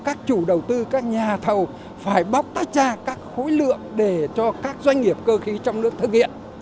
các chủ đầu tư các nhà thầu phải bóc tách ra các khối lượng để cho các doanh nghiệp cơ khí trong nước thực hiện